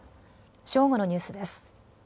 正午のニュースです。